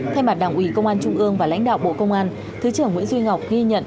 thay mặt đảng ủy công an trung ương và lãnh đạo bộ công an thứ trưởng nguyễn duy ngọc ghi nhận